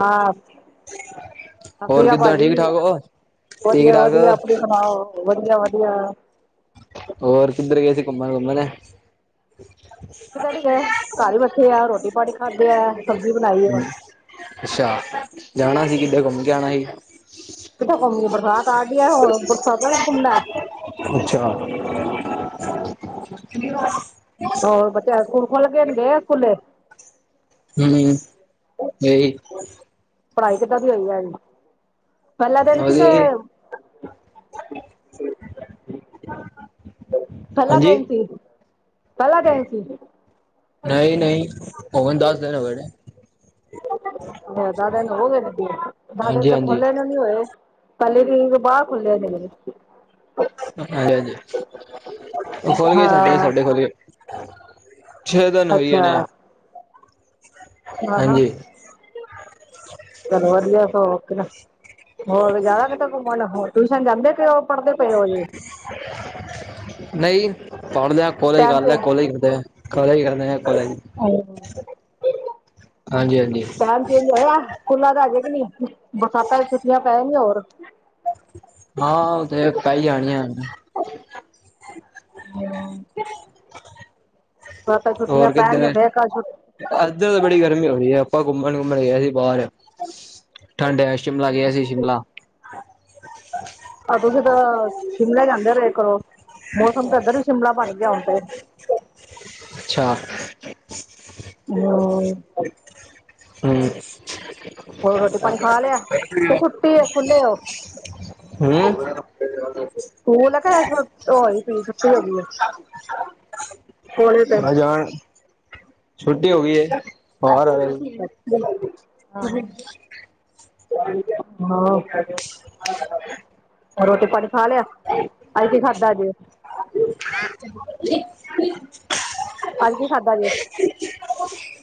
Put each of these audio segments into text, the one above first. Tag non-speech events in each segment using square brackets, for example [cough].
ਮਾਸੀ। ਹੋਰ ਵਧੀਆ ਕਿੱਦਾਂ ਠੀਕ ਭਾਣੀ ਠਾਕ ਹੋ ਠੀਕ ਵਧੀਆ- ਠਾਕ ਵਧੀਆ, ਆਪਣਾ। ਸੁਣਾਓ, ਵਧੀਆ- ਵਧੀਆ। ਹੋਰ, ਕਿੱਧਰ ਗਏ ਸੀ। ਘੁੰਮਣ- ਘੁੰਮਣ। ਕਿਤੇ ਨਹੀਂ ਗਏ। ਘਰ ਹੀ ਬੈਠੇ ਆ, ਰੋਟੀ- ਪਾਣੀ ਖਾਧੇ ਆ। ਸਬਜ਼ੀ ਬਣਾਈ ਹੈ। ਅੱਛਾ। ਜਾਣਾ ਸੀ, ਕਿੱਦੇ ਘੁੰਮ ਕੇ ਆਉਣਾ ਸੀ ਕਿੱਦਾਂ ਘੁੰਮਈਏ। ਬਰਸਾਤ ਆ ਗਈ ਹੈ। ਬਰਸਾਤਾਂ ਵਿੱਚ ਘੁੰਮਣਾ ਏ। ਅੱਛਾ। ਹੋਰ, ਬੱਚਾ ਸਕੂਲ ਖੁਲੱ ਗਏ। ਗੇਏ ਆ ਸਕੂਲੇ। ਹਮ ਇਹ [unintelligible] ਪੜਾਈ ਕਿੱਦਾਂ, ਦੀ ਹੋਈ ਹੈ। ਪਹਲਾ ਦਿਨ, ਸੀ ਉਹਦੇ ਕੇ। ਪਹਿਲਾ ਹਾਂਜੀ ਦਿਨ ਸੀ। ਪਹਿਲਾ ਦੈਨ ਸੀ। ਨਹੀਂ- ਨਹੀਂ, ਹੁਣ ਦਸ, ਦਿਨ ਹੋ ਗਏ ਨੇ। ਨਹੀਂ, ਦਸ ਦਿਨ ਹੋ ਗਏ ਨੇ। ਦਸ ਦਿਨ ਹਾਂਜੀ ਤਾਂ ਹਾਂਜੀ ਖੁੱਲੇ ਨੂੰ, ਨੀ ਹੋਏ। ਪਲੇ ਦਿਨ [unintelligible] ਬਾਅਦ ਹਾਂਜੀ- ਹਾਂਜੀ [unintelligible] ਉਹ ਖੋਲ ਗਏ ਸਾਡੇ। ਹਾਂ ਸਾਡੇ ਖੋਲ ਗਏ। ਛੇ ਦਿਨ ਹੋਈ ਅੱਛਾ ਜਾਣੇ ਆ। ਹਾਂ ਹਾਂ ਹਾਂਜੀ। ਚਲੋ ਵਧੀਆ। ਸ ਹੋਰ ਜਾਣਾ ਕਿਤੇ ਘੁੰਮਣ ਹੋਰ, ਟਿਊਸ਼ਨ ਜਾਂਦੇ ਪਣੇ ਉ। ਪੜਦੇ ਪਏ, ਹੋ ਅਜੇ। ਨਹੀਂ ਪੜ ਲਿਆ। ਕੋਲੇਜ ਟਾਈਮ ਕਰ ਲਿਆ। ਚ ਕੋਲੇ ਕੋਾਲ ਕਰ। ਪੜਿਆ ਕਾਲਜ। ਹਾਂਜੀ- ਹਾਂਜੀ। ਟਾਈਮ ਚੇਂਜ ਹੋਇਆ ਸਕੂਲਾ ਦਾ। ਆਜੇ ਕਿ ਨੀ, ਬਰਸਾਤਾਂ ਚ ਛੁੱਟੀਆਂ ਪੈ ਜਾਨੀ ਹੋਰ। ਹਾਂ, ਔ ਤੇ ਹੈ। ਪੇਣੀ ਜਾਣੀਆਂ। ਕਤ ਤਕ ਚੁਟੀਆਂ ਹੋਰ ਪੈਣਿਆ। ਕਿੱਧਰ ਫੇਰ ਕਲ ਛੂਟੀ। ਇੱਧਰ ਤਾਂ ਬੜੀ ਗਰਮੀ ਹੋ ਰਹੀ ਹੈ। ਆਪਾਂ ਘੁੰਮਣ- ਘੁੰਮਣ ਗਏ ਸੀ ਬਾਹਰ। ਠੰਡ ਏ, ਸ਼ਿਮਲਾ ਗਿਆ ਸੀ। ਸ਼ਿਮਲਾ। ਆਹ ਤੁਸੀਂ ਤਾਂ, ਸ਼ਿਮਲੇ ਜਾਂਦੇ ਰਹੇ ਕਰੋਂ। ਮੌਸਮ ਤਾਂ ਇੱਧਰ ਵੀ, ਸ਼ਿਮਲਾ ਬਣ ਗਿਆ। ਹੁਣ ਤੇ। ਅੱਛਾ। ਹੂੰ। ਹੋਰ ਰੋਟੀ ਪਾਣੀ ਹੂੰ। ਖਾ ਲਿਆ ਕਿ ਛੁੱਟੀ ਹੈ ਸਕੂਲੇ ਉਹ ਹਮ [unintelligible] ਸਕੂਲ ਹੈ ਕਿ ਪਈ, ਛੁੱਟੀ ਹੋ ਗਈ ਏ। ਹ ਜਾਣ। ਛੁੱਟੀ ਹੋ ਗਈ ਹੈ। ਬਰ ਆ ਹਾਂ ਹਾਂ [unintelligible] ਰੋਟੀ- ਪਾਣੀ ਖਾ ਲਿਆ। ਅਜ ਕੀ ਖਾਧਾ ਜੇ। [unintelligible] ਅੱਜ ਕੀ ਖਾਧਾ ਜੇ।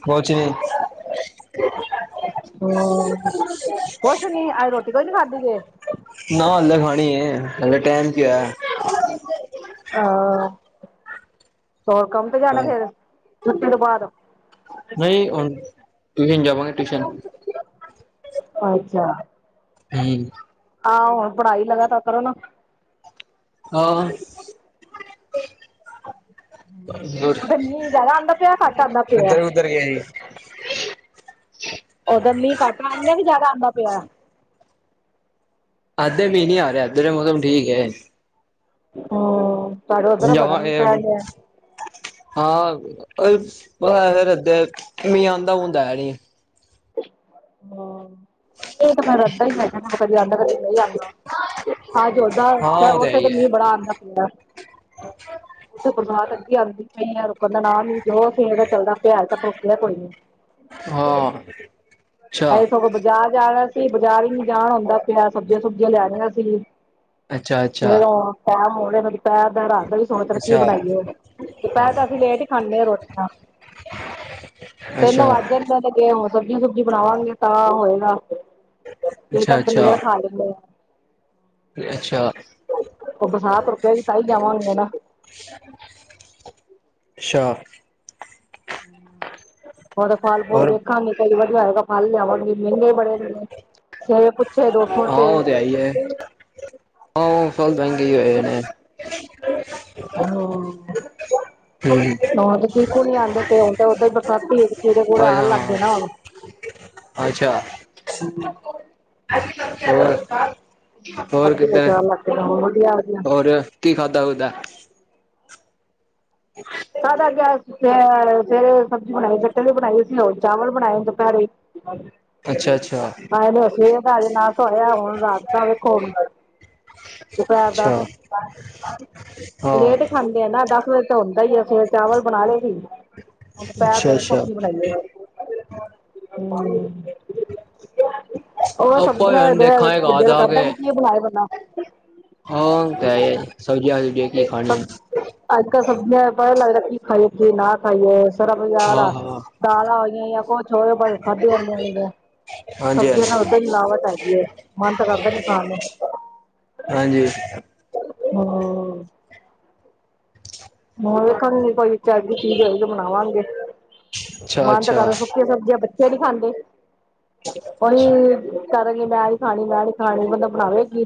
ਕੁਝ ਨੀ। ਹੂੰ, ਕੁੱਛ ਨੀ, ਅਜ ਰੋਟੀ ਕੋਈ ਨੀ ਖਾਧੀ ਜੇ। ਨਾ ਹਲੇੇ, ਖਣੀ ਏ। ਹਾਲੇ ਟਾਈਮ ਕਿ ਹੋਆ। ਆਹ, ਹੋਰ ਕਮ ਤੇ ਜਾਣਾ ਫੇਰ? ਛੁੱਟੀ ਤੋਂ ਬਾਅਦ। ਨਹੀਂ। ਹੁਣ ਟਿਊਸ਼ਨ ਜਾਵਾਂਗੇ, ਟਿਊਸ਼ਨ। ਅੱਛਾ, ਹਮ [inaudible] ਆਹੋ ਹੋਰ ਪੜਾਈ ਲਗਾਤਾਰ ਕਰੋ ਨਾ। ਹਾਂ। ਬਸ ਉਥੇ ਮੀਂਹ ਜ਼ਿਆਦਾ ਆਉਂਦਾ ਪਿਆ ਘੱਟ ਆਉਂਦਾ ਪਿਆ ਇਧਰ-ਉਧਰ ਗਏ ਸੀ। ਉਹਦਰ ਮੀਂਹ ਕੱਟ ਆਣਡਿਆ ਸੀ ਵੀ ਜ਼ਿਆਦਾ ਆਉਂਦਾ ਪਿਆ। ਐਹਦਰ ਮੀਂਹ ਨੀ ਆ ਰਿਹਾ ਐਹਦਰ ਮੌਸਮ ਠੀਕ ਹੈ। ਹਮ ਸਾਡੇ ਹੁਣ ਉੱਧਰ ਬੜਾ ਮੀਂਹ ਜਾਵਾਂਗੇ ਪੈਣ ਡਿਆ। ਹਾਂ, ਬਸ ਪਤਾ ਇੱਥੇ ਮੀਂਹ ਆਉਂਦਾ ਉਂਦਾ ਹੈ ਨੀ। ਹਾਂ, ਏ ਤੇ ਫਿਰ ਏਦਾਂ ਹੀ ਏਥੇ ਕਦੇ ਆੳਦਾਂ ਹੈ, ਕਦੀ ਨਹੀਂ ਆਉਂਦਾ। ਅਜ ਔਂਦਾ, ਹਾਂ ਉਹ ਹੈ ਉੱਥੇ ਤੇ ਹੀ ਹੈ। ਮੀਂਹ ਬੜਾ ਆਉਂਦਾ ਪਿਆ। ਉੱਥੇ ਬਰਸਾਤ ਅੱਗੇ ਆਉਂਦੀ ਪਈ ਰੁਕਣ ਦਾ ਨਾਂ ਨਹੀਂ ਜੋ ਸਵੇਰ ਦਾ ਚੱਲਦਾ ਪਿਆ ਹੱਲੇ ਤੱਕ ਰੁਕਿਆ ਕੋਈ ਨੀ। ਹਾਂ ਅੱਛਾ, ਅਸੀ ਸਗੋਂ ਬਾਜ਼ਾਰ ਜਾਣਾ ਸੀ, ਬਾਜ਼ਾਰ ਵੀ ਨੀ ਜਾਣ ਹੁੰਦਾ ਪਿਆ। ਸਬਜ਼ੀਆਂ ਸੁਬਜ਼ੀਆਂ ਲੈਆਣੀਆਂ ਸੀ। ਅੱਛਾ, ਅੱਛਾ। ਫਿਰ ਔ ਪੈਰ ਮੋੜੇ ਕਦੀ ਪੈਰ ਰਾਤ ਦਾ ਵੀ ਸੋਚਦੇ ਕੀ ਅੱਛਾ। ਬਣਾਈਏ? ਦੁਪੇਹਰ ਤਾਂ ਅਸੀਂ ਲੇਟ ਹੀ ਖਾਂਦੇ ਹਾਂ ਰੋਟੀਆ। ਅੱਛਾ। ਏਦਾ ਕੀ ਹੈ, ਹੋਰ ਸਬਜ਼ੀ ਸੁਬਜ਼ੀ ਬਣਾਵਾਂਗੀ, ਤਾਂ ਹੋਏਗਾ ਇਹ ਤਾਂ ਅੱਛਾ, ਅੱਛਾ, ਪਲੇਡ ਖਾਂਦੇ ਪਏ ਅੱਛਾ, ਆ ਬਰਸਾਤ ਰੁਕੇਗੀ, ਤਾਂਹੀ ਜਾਵਾਂਗੇ ਨਾ। ਅੱਛਾ। [inaudible] ਹੋਰ ਫਲ ਫੁਲ ਹੋਰ ਵੇਖਾਂਗੀ, ਕਈ ਵਧੀਆ ਹੋਏਗਾ ਫਲ ਲਿਆਵਾਂਗੀ। ਮਹਿੰਗੇ ਬੜੇ ਨੇ ਸੇਬ ਪੁੱਛੇ, ਦੋ ਸੋ ਹਾਂ ਰੁਪਏ ਉਹ ਤੇ ਹੈ ਹਾਂ, ਫਲ ਮਹਂਗੇ ਹੀ ਹੈਗੇ ਨੇ। ਹਾਂ। ਹਮ ਹਾਂ ਚੀਕੂ ਨੀ ਆਉਂਦੇ ਪਏ ਹੁਣ ਤਾਂ ਉਦਾਂ ਹੀ ਬਰਸਾਤ ਪਈ ਕੀੜੇ ਕੂੜੇ ਹਾਂ ਆਣ ਲੱਗ ਹਾਂ ਗਏ ਨਾ ਹੁਣ ਅੱਛਾ ਹੋਰ, ਹੋਰ ਬਰਸਾਤੀ ਕਿੱਦਾਂ ਵਿੱਚ ਹੈ। ਆਣ ਲੱਗ ਗਏ ਨੇ ਹੁਣ ਵਧੀਆ ਵਧੀਆ ਹੋਰ ਕੀ ਖਾਦਾ ਖੁਦਾ ਏ? [inaudible] ਖਾਦਾ ਕੀ, ਸਵੇਰੇ ਸਬਜ਼ੀ ਬਣਾਈ ਗੱਟੇ ਦੀ ਬਣਾਈ ਸੀ ਹੁਣ ਚਾਵਲ ਬਣਾਏ ਦੁਪਹਿਰੇ ਹਾਂਜੀ। ਅੱਛਾ, ਅੱਛਾ, ਹਾਂ ਸਵੇਰ ਦਾ ਹਜੇ ਨਾਸ਼ਤਾ ਹੋਇਆ, ਹੁਣ ਰਾਤ ਦਾ ਵੇਖੋ। ਦੁਪੇਹਿਰ ਦਾ, ਅੱਛਾ ਹਾਂ ਲੇਟ ਹੀ ਖਾਂਦੇ ਆ ਨਾ, ਦਸ ਵਜੇ ਤੋਂ ਸਵੇਰੇ ਚਾਵਲ ਬਣਾ ਲਏ ਸੀ, ਹੁਣ ਦੁਪੇਹਿਰ ਦਾ ਅੱਛਾ, ਵੇਖੋ, ਅੱਛਾ ਕੀ ਬਣਾਈਏ। ਹੂੰ [inaudible] ਉਹ ਆਪਾਂ ਵੀ ਸਬਜ਼ੀਆਂ ਨੇ ਹੁਣ ਜ਼ਹਰ ਦੇਖਾਂਗੇ ਘਰ ਦਿਲ ਜਾ ਕਰਦਾ ਕੇ। ਹੀ ਨੀ ਕੀ ਬਣਾਏ ਬੰਦਾ। ਹਾਂ ਔ ਤੇ ਹੈ। ਸਬਜ਼ੀਆਂ ਅਜਕਲ ਕੀ ਖਾਣੀਆਂ ਏ। ਅੱਜ ਕੱਲ ਸਬਜ਼ੀਆਂ ਦਾ ਪਤਾ ਹੀ ਨੀ ਲੱਗਦਾ ਕੀ ਖਾਈਏ, ਕੀ ਨਾ ਖਾਈਏ। ਬਾਜ਼ਾਰ ਹਾਂ, ਆ, ਹਾਂ ਦਾਲਾਂ ਹੋਈਆਂ ਯਾ ਕੁਛ ਹੋਵੇ ਪਰ ਖਾਦੀ ਨਹੀਂ ਜਾਂਦੀਆਂ। ਹਾਂਜੀ, ਸਬਜ਼ੀਆਂ ਚ ਤੇ ਹਾਂਜੀ, ਓਦਾਂ ਹੀ ਮਿਲਾਵਟ ਹੈਗੀ ਏ, ਮਨ ਤਾਂ ਕਰਦਾ ਨੀ ਖਾਣ ਨੂੰ। ਹਾਂਜੀ। ਹੂੰ, ਹੋਰ ਵੇਖਣਗੀ ਕੋਈ ਚਜ ਦੀ ਚੀਜ਼ ਹੋਏਗੀ, ਬਣਾਵਾਂਗੇ। ਮਨ ਤਾਂ ਅੱਛਾ-ਅੱਛਾ ਕਰਦਾ ਏ, ਸੁੱਕੀਆਂ ਸਬਜ਼ੀਆਂ ਬੱਚੇ ਨੀ ਖਾਂਦੇ। ਔਹੀ ਕਰਨਗੇ ਮੈਂ ਨੀ ਖਾਣੀ, ਮੈਂ ਨੀ ਖਾਣੀ, ਬੰਦਾ ਬਣਾਵੇ ਕੀ?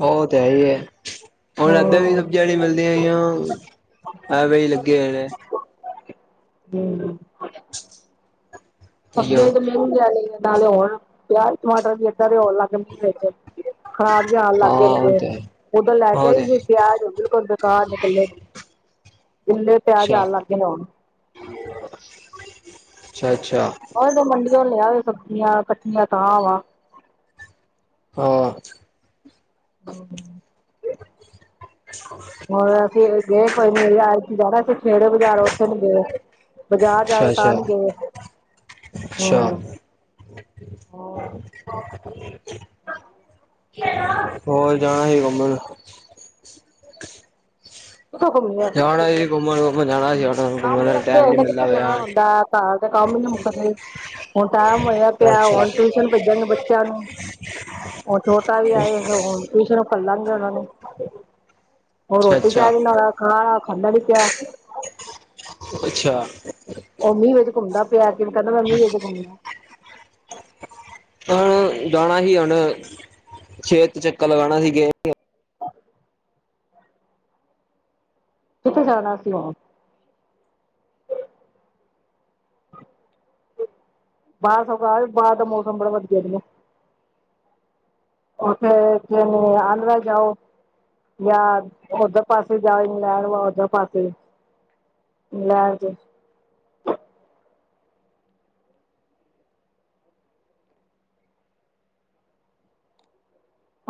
ਉਹ ਤੇ ਹੈ ਹੀ ਹੈ। ਹੁਣ ਹੂੰ ਐਧੇ ਵੀ ਜੇਹੜੀ ਮਿਲ਼ਦੀਆਂ ਏ, ਐਵੇਂ ਹੀ ਲੱਗੇ ਹੋਏ ਨੇ। ਹੂੰ, ਇਹੀਓ ਸਬਜ਼ੀਆਂ ਤੇ ਮਂਹਗੀਆ ਨੇ, ਨਾਲੇ ਹੁਣ ਪਿਆਜ ਟਮਾਟਰ ਵੀ ਏਦਾਂ ਦੇ ਹੋਣ ਲੱਗ ਗਏ ਮੀਂਹ ਚ [inaudible] ਖ਼ਰਾਬ ਵੀ ਆਨ ਹਾਂ ਲੱਗ ਗਏ ਨੇ ਉਹ ਜੇ ਤੇ ਹੈ ਔਦਨ ਲੈ ਕੇ ਉਹ ਤੇ ਆਈ ਹੈ ਸੀ ਪਿਆਜ ਬਿਲਕੁਲ ਖਰਾਬ ਨਿਕੱਲੇ ਗਿੱਲੇ ਪਿਆਜ ਆਨ ਲੱਗ ਗਏ ਨੇ ਹੁਣ। ਅੱਛਾ- ਅੱਛਾ ਏਹਦੋ ਮੰਡੀਔ ਲੇ ਆਵੇ ਸਬਜ਼ੀਆਂ ਕੱਚੀਆਂਕ ਤਾਂਵਾ ਹਾਂ ਔ ਤੇ ਹੈ। [inaudible] ਹੋਰ ਅਸੀਂ ਗਏ ਕੋਈ ਨੀ [inaudible] ਜਾਨਾ ਸੀ। ਕੇੜੇ ਬਾਜ਼ਾਰ ਉੱਥੇ ਨੀ ਗਏ ਬਾਜ਼ਾਰ ਜਾਉ ਤਾਂ ਅੱਛਾ-ਅੱਛਾ ਨੀ ਗਏ ਅੱਛਾ ਹਾਂ ਹੋਰ ਜਾਣਾ ਸੀ ਘੁੰਮਣ? ਕਿੱਥੋਂ ਘੁੰਮੀਏ ਜਾਣਾ ਹੀ ਜੀ ਘੁੰਮਣ ਘੁੰਮਣ ਜਾਣਾ ਘੁੰਮਣ ਕੰਮ ਦਾ ਲੱਗੇ ਟਾਈਮ ਹੋਏ ਨੀ ਨੇ ਮਿਲਦਾ ਕਿੱਥੇ ਪਿਆ ਜਾਣ ਹੁੰਦਾ ਹੈ। ਘਰ ਦੇ ਕੰਮ ਹੀ ਨੀ ਮੁੱਕਦੇ ਹੁਣ ਟਾਈਮ ਹੋਇਆ ਪਿਆ ਅੱਛਾ ਹੁਣ ਟਿਊਸ਼ਨ ਭਜਣ ਨੂੰ ਬੱਚਿਆਂ ਨੂੰ ਉਹ ਛੋਟਾ ਵੀ ਐ ਤੇ ਹੁਨ ਛ ਨੂੰ ਪ ਲਾਂਗੇ [inaudible] ਉਹਨਾਂ ਨੇ ਹਰ ਰੋਟੀ ਕਿਆ ਵੀ ਅੱਛਾ-ਅੱਛਾ-ਅੱਛਾ ਨਾਲ ਖਾ ਖਾਂਦਾ ਵੀ ਕਿਆ [inaudible] ਅੱਛਾ ਉਹ ਮੀਂਹ ਵਿੱਚ ਘੁੰਮਦਾ ਪਿਆ ਕੇ ਵੀ ਕਹਿੰਦਾ ਮੀਂਹ ਵਿੱਚ ਘੁੰਮਨਾ ਹਾ ਜਾਣਾ ਸੀ ਹੁਣ ਛੇਤ ਚੱਕਰ ਲਗਾਉਣਾ ਸੀਗੇ [unintelligible] ਕਿੱਥੇ ਜਾਣਾ ਸੀ ਹੁਣ? ਬਾਰਿਸ਼ ਤੋ ਬਾਦ ਬਾਹਰ ਦਾ ਮੌਸਮ ਬੜਾ ਵਧੀਆ ਉਓਥੇ ਜਨੇ ਆਂਧਰਾ ਜਾਓ [inaudible] ਜਾਂ ਓਧਰ ਪਾਸੇ ਜਾਓ ਇੰਗਲੈਂਡ ਵਾ ਓਧਰ ਪਾਸੇ [inaudible] ਜੀ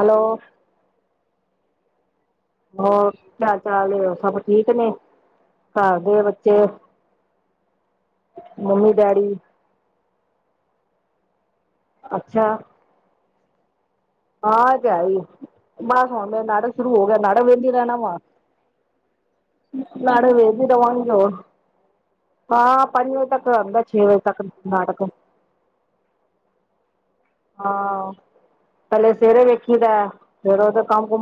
ਹੈਲੋ ਹੋਰ ਕੀ ਹਾਲ ਚਾਲ ਹੈ ਹੋਰ ਸਭ ਠੀਕ ਨੇ ਘਰ ਦੇ ਬੱਚੇ ਮੰਮੀ ਡੈਡੀ? ਅੱਛਾ ਹਾਂ ਉਹ ਤੇ ਹੈ ਹੀ ਬਸ ਹੁਨ ਨਾਟਕ ਸ਼ੁਰੂ ਹੋ ਗਿਆ ਨਾਟਕ ਵਿਹਨੀ ਰਹਿਣਾ ਵਾ ਨਾਲੜ ਵਦੀ ਰ ਵਾਂ [inaudible] ਹਾਂ ਪੰਜ ਵਜੇ ਤੱਕ ਆਂਦਾ ਛੇ ਵਜੇ ਤੱਕ ਨਾਟਕ ਹਾਂ ਪਹਲੇ ਸਵੇਰੇ ਵੇਖੀ ਦਾ ਫਿਰ ਕੰਮ ਕੁੰਮ